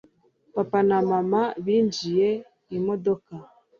papa na mama binjiye imodoka